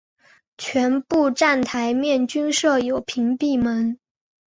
全部站台面均设有屏蔽门。